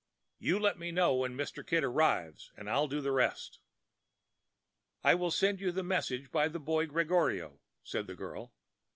You let me know when Mr. Kid arrives, and I'll do the rest." "I will send you the message by the boy Gregorio," said the girl.